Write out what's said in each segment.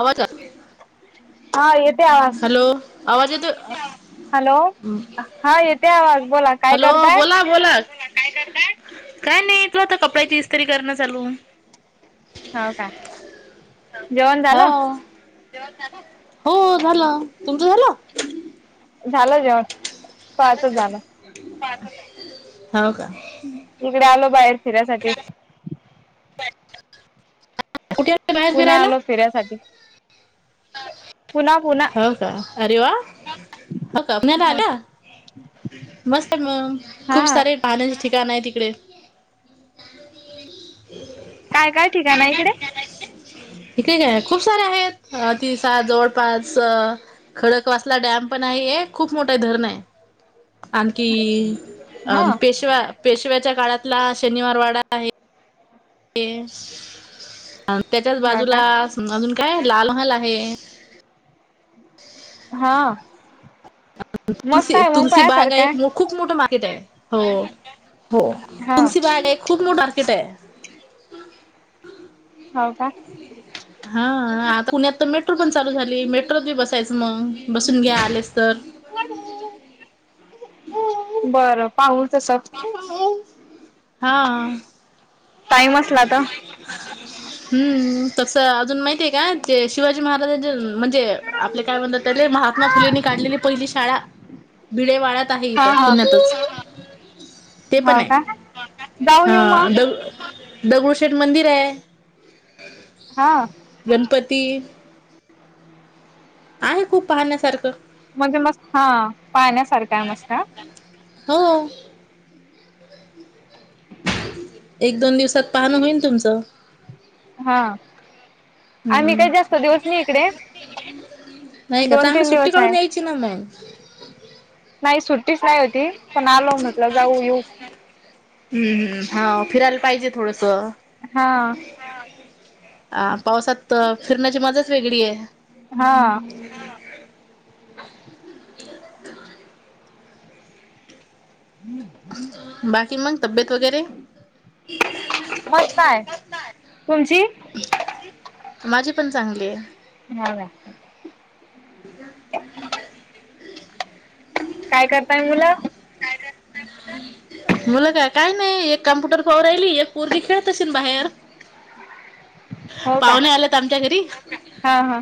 आवाजात हा येेते आवाज हॅलो, आवाज येतोय. हॅलो हा येते आवाज बोला काय हॅलो करताय बोला बोला काय, काय नाही तू आता कपड्याची इस्तरी करणं चालू हो का जेवण झालं? हो हो. झालं तुमच झालं झालं जेवण. सकाळचच झालं हाव का इकडे आलो बाहेर फिरायसाठी कुठे. बाहेर पूना फिरायला आलो फिऱ्यायसाठी पुना. हो का, अरे वा. हो का आपनला हा. आल. मस्त आहे मग खूप हा सारे पाहण्याचे ठिकाण आहे तिकडे [inaudible] काय काय ठिकाण आहे इकडे? इकडे काय आहे खूप सारे आहेत तिसात जवळपास खडकवासला डॅम पण आहे हे एक, खूप मोठ धरण आहे. आणखी अ- हा. पेशव्या पेशव्याच्या काळातला शनिवार वाडा आहे. तेच त्याच्याच हा बाजूला का अजून काय लाल महाल आहे [inaudible] हां. तुलस तुलसी बागा एक मो आहे खूप मोठं मार्केट आहे, हो हो हा तुलसीबाग खूप मोठं मार्केट आहे. हौ कां. हा आता पुण्यात तर मेट्रो पण चालू झाली मेट्रोत बी बसायचं मग बसून घ्या आलेस तर बरं पाहल तस हा [unintelligible] टाईम असला तर हम्म. तसं अजून माहितीये का, जे शिवाजी महाराजांचे म्हणजे, आपले काय म्हणतात त्याले महात्मा फुलेंनी काढलेली पहिली शाळा बिडे वाड्यात आहे हा इथं हा पुण्यातच ते पण हो का? आहे जाऊन हा येऊ मग. द दगडूशेठ मंदिर आहे हा गणपती. आहे खूप पाहण्यासारखं. म्हणजे म हा पाहण्यासारखा आहे मस्त हो. एक दोन दिवसात पाहणं होईल तुमचं. हा, आणि हम्म काय जास्त दिवस नाही इकडे. नाही का दोन चांगली, तीन सुट्टी दिवस आहे. काढून यायची ना मगं. नाही सुट्टीच नाही होती, पण आलो म्हटलं जाऊ येऊ. हम्म हम्म. हा फिरायला पाहिजे थोडंसं. हा अ पावसात फिरण्याची मजाच वेगळी आहे हां. हम बाकी मंग तब्येत वगैरे. मस्तय तुमची माझी पण चांगली आहे. [unintelligible] [inaudible] काय करताय मुलं? [inaudible] मुलं काय काय नाही एक कम्प्युटर पाहू राहिली, एक पोरगी खेळत असेन बाहेर. हो का? पाहुणे आल्यात आमच्या घरी. हा हा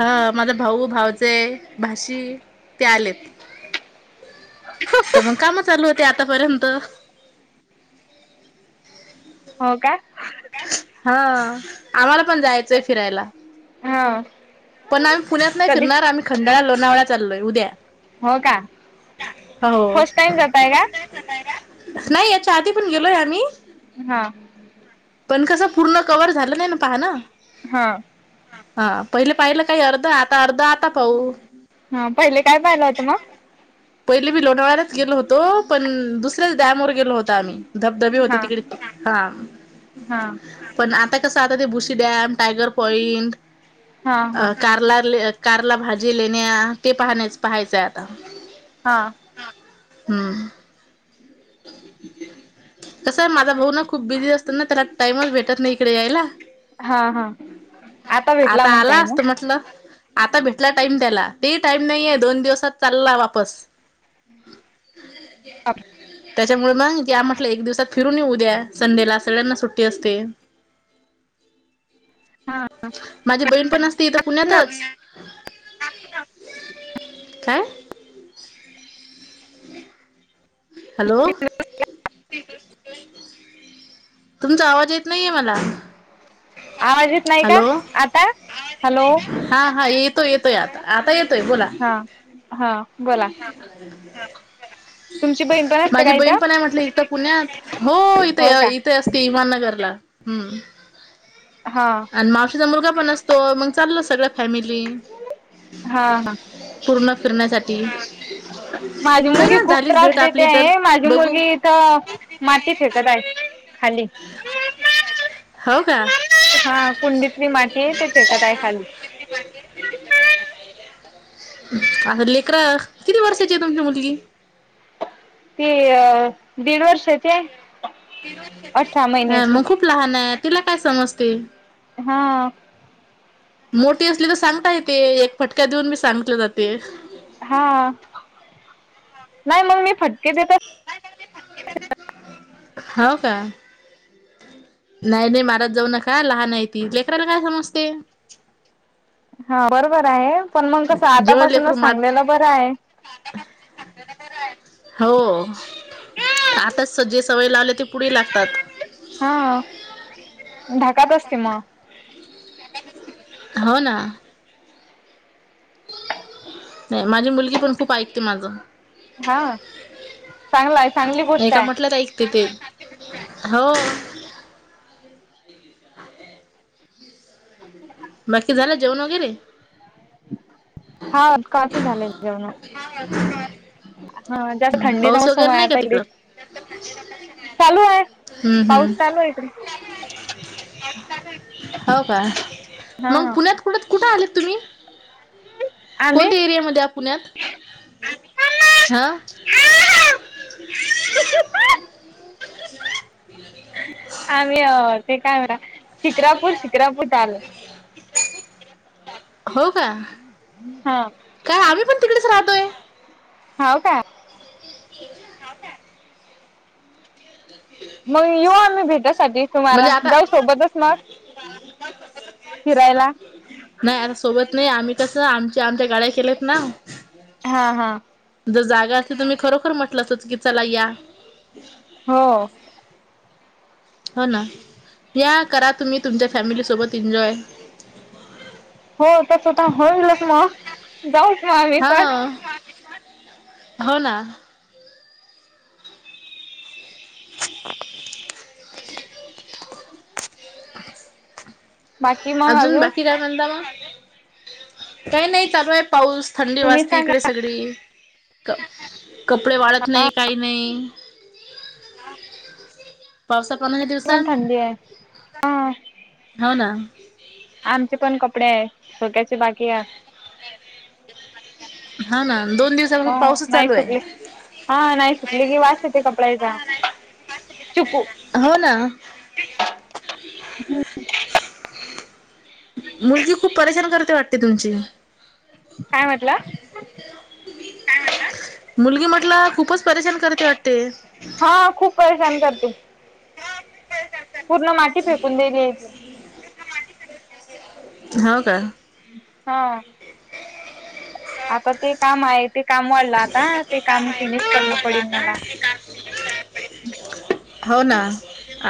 हा माझा भाऊ, भाऊचे भाची ते आलेत. [unintelligible] तर मग काम चालू होते आतापर्यंत. हो काय? हा आम्हाला पण जायचंय फिरायला. हा. पण आम्ही पुण्यात नाही कधी? फिरणार आम्ही खंडाळा लोणावळा चालोय उद्या. हो का हो. फर्स्ट टाईम जाताय का? नाही याच्या आधी पण गेलोय आम्ही. हा. पण कसं पूर्ण कव्हर झालं नाही ना, पहा ना. हा. हा पहिले पाहिलं काही अर्ध आता अर्ध आत हा पहिले काय पाहिला होतं मग? पहिले मी लोणावळ्याच गेलो होतो पण दुसऱ्याच डॅमवर गेलो होता आम्ही. धबधबे हा. होते तिकडे ती हा. हा. पण आता कसं आता ते बुशी डॅम, टायगर पॉइंट, हा हा अ कारल्या ल कारला भाजी लेण्या ते पाहण्या-पाहायचंय आहे आता. हा. हम्म. [inaudible] कसं आहे माझा भाऊ ना खूप बिझी असतो ना, त्याला टाइमच भेटत नाही इकडे यायला. हा हा भेटला आता मग आला टाइम असतं म्हंटल. आता भेटला टाईम त्याला ते ही टाईम नाहीये त्याला दोन दिवसात चालला वापस. आप त्याच्यामुळे मग या म्हटलं एक दिवसात फिरून येऊ उद्या संडेला सगळ्यांना सुट्टी असते. [inaudible] हा हा. माझी बहीण पण असते इथं पुण्यातच. काय? हॅलो. तुमचा आवाज येत नाहीये मला. आवाज येत नाही का, हॅलो आता? हॅलो. हा हा येतो येतोय आता, आता येतोय बोला. हा हा बोला. तुमची बहीण पण [unintelligible] असते माझी का बहीण इथं पण आहे म्हटलं इथं पुण्यात. हो इथं हो का य ती असते इमाननगरला हम्म. हा. आणि मावशीचा मुलगा पण असतो, मग चालला सगळ्या फॅमिली. हा हा पूर्ण फिरण्यासाठी माझी नाही मुलगी ना खूप झालीच त्रास भेट देते आपली तर आहे. माझी बघू मुलगी इथं माती फेकत आहे खाली. हो का? हा कुंडीतली माती आहे ते फेकत आहे खाली आता लेकर किती वर्षाची आहे तुमची मुलगी? ती अ दीड वर्षाचीय हा मग खूप लहान आहे तिला काय समजते हा मोठी असली तर सांगता येते एक फटक्या देऊन बी सांगले जाते. हा नाही मग मी फटके देत हो का? नाही नाही मारत जाऊ नका लहान आहे ती लेकराला काय समजते? हा बरोबर आहे पण मग कस जेव्हा लेकरू आतापासूनच मात सांगलेलं बरं आहे. [inaudible] हो आताच जे सवय लावले ते पुढे लागतात हा धाकात असते मग. हो ना नाही माझी मुलगी पण खूप ऐकते माझं. हा चांगला आहे चांगली नाही गोष्ट का आहे. म्हटलं तर ऐकते ते [unintelligible] हो बाकी झालं जेऊन वगैरे हा कसं झाले ऊ ना हा जास्त थंडी ना पाऊस मौसम वगैरे नाही का आहेता इ तिकडं [unintelligible] चालू आहे हम्म पाऊस हम्म चालू आहे त हो का हा मग पुण्यात कुठत कुठे आलेत तुम्ही? आम्ही कोणत्या एरियामध्ये आ पुण्यात हा आ्ही अ ते काय म्हरा [unintelligible] शिक्रापूर, शिक्रापूर कुठ आल हो का? हा काय आम्ही पण तिकडेच राहतोय. हाव काय? ये ह का [unintelligible] [unintelligible] मग येऊ आम्ही भेटयसाठी तुम्हाला म्हणजे आता जाऊ सोबतच मग. [unintelligible] फिरायला. नाही आता सोबत नाही आम्ही कसं आमच्या आमच्या गाड्या केल्यात ना हा हा. जर जागा अस तर मी खरोखर म्हटलं असतं की चला या हो. हो ना या करा तुम्ही तुमच्या फॅमिलीसोबत एन्जॉय हो तस तर स्वतः होईलच ना. जाऊ छान हा हो ना. [unintelligible] बाकी मग अजून बाकी काय म्हणता मग? काही नाही चालू आहे पाऊस थंडी तुम्ही वाजते इकडे सांगा सगळी. कपडे वाळत नाही हा काही नाही पावस पाण्याच्या च्या पण दिवसात थंडी आहे हा हो ना. आमचे पण कपडे आहे धोक्याची बाकी आहे. हा ना दोन ह दिवसापासून पाऊसच नाही चालू आहे सुकले हा नाही सुकले की वास येते कपड्याचा चुकू हो ना हम्म [unintelligible] मुलगी खूप परेशान करते वाटते तुमची काय म्हटलं? काय म्हणता मुलगी म्हटला खूपच परेशान करते वाटते. हा खूप परेशान करते. पूर्ण माती फेकून दिली आहे ती. होव का? हा. आता ते काम आहे ते काम वाढलं आता ते काम फिनिश करन पडेल मला. हम् [unintelligible] हो ना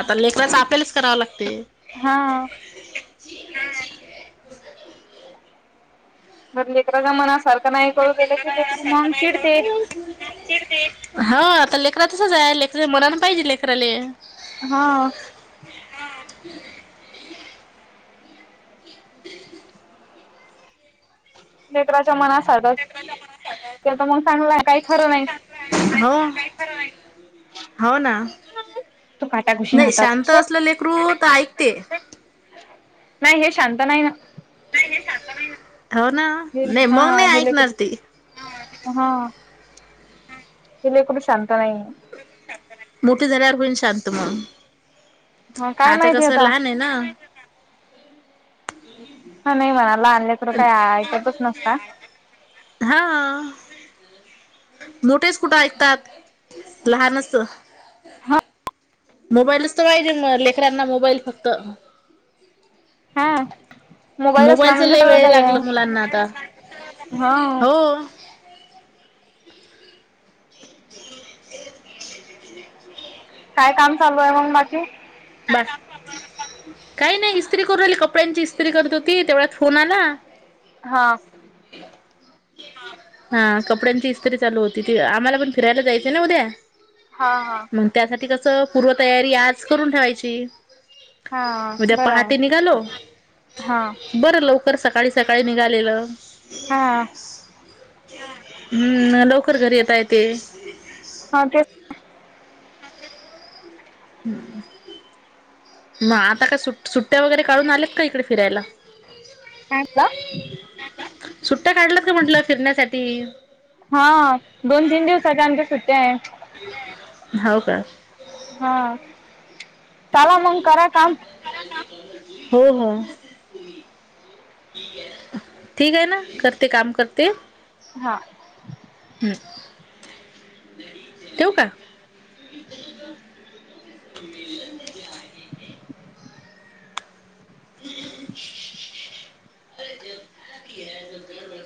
आता लेकराच आपल्यालाच कराव लागते. हा. जर लेकराच्या मनासारखं नाही करू दिलं की मन चिडते. हा आता लेकरा तसच आहे लेकराच्या मनान पाहिजे लेकराला. हा. नेत्राच्या मना अस तर मग चांगला काही खरं नाही हो हो ना. तू काटाकुशीन नाही हातात शांत सोड असलं लेकरू तर ऐकते. नाही हे शांत नाही ना हो ना हे नाही हा मग नाही हे ऐकणार ती. लेकरू हा कि लेकरू शांत नाही. मोठीे झाल्यावर होईल शां मग हा काय आता माहिती कसं लहान आहे ना? हा नाही म्हणा लानल्याकडे काही ऐकतच नसता. [unintelligible] हा नोटीस कुठे ऐकतात? लहानच तू हा मोबाईलच तर पाहिजे मग लेकरांना मोबाईल फक्त. हा मोबाईल असला मोबाईलच म्हणजे लय सगळं वेळ काही आहे लागलं मुलांना आता हो. [unintelligible] काय काम चालू आहे मग बाकी? बा काही नाही इस्त्री करू आली कपड्यांची इस्त्री करत होती तेवढ्यात फोन आला बा हा. हा कपड्यांची इस्त्री चालू होती ती आम्हाला पण फिरायला जायचय ना उद्या. हां हां. मग त्यासाठी कसं पूर्वतयारी आज करून ठेवायची. हा उद्या बरं आहे पहाटे निघालो हा बर लव कर सकाळी सकाळी निघालेलं. हां. हम्म मग लवकर घरी येता येतेय. [unintelligible] हा ते हम् [unintelligible] म आता का सु सुट्ट्या वगैरे काढून आल्यात का इकडे फिरायला काय [unintelligible] का का. सुट्ट्या काढलात का म्हंटलं फिरण्यासाठी? हा हा दोन तीन दिवसाच्या आमच्या सुट्ट्याये. होव का? हा चाला मंग करा काम. हो हो. ठीक हे ना करते काम करते. हा. हम्म. ठेऊ काय? [inaudible] [inaudible]